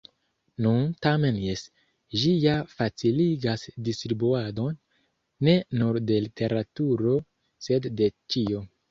Nu, tamen jes, ĝi ja faciligas distribuadon, ne nur de literaturo, sed de ĉio.